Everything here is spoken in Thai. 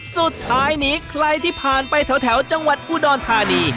สุดท้ายนี้ใครที่ผ่านไปแถวจังหวัดอุดรธานี